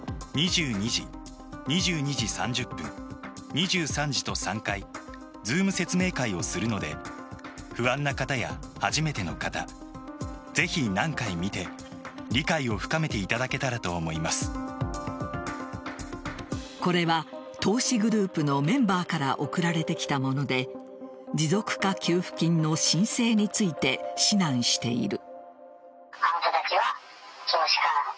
２２時２２時３０分、２３時と３回ズーム説明会をするので不安な方や初めての方ぜひ何回も見て理解を深めていただけたらとこれは投資グループのメンバーから送られてきたもので持続化給付金の申請について指南している。